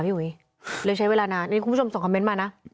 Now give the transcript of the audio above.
อุ๋ยเลยใช้เวลานานนี่คุณผู้ชมส่งคอมเมนต์มานะ